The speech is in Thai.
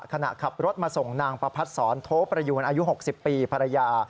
ขณะขับรถมาส่งนางประพัดศรโทประยูนอายุ๖๐ปีภรรยา